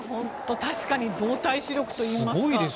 確かに動体視力といいますか。